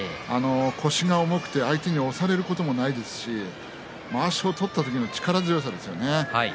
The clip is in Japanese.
腰が重くて相手に押されることもないですしまわしを取った時の力強さですね。